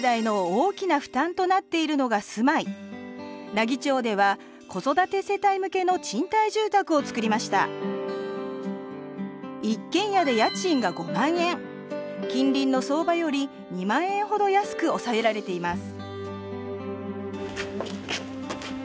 奈義町では子育て世帯向けの賃貸住宅を作りました一軒家で家賃が５万円近隣の相場より２万円程安く抑えられています